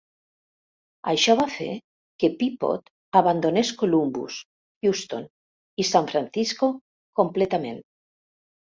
Això va fer que Peapod abandonés Columbus, Houston i San Francisco completament.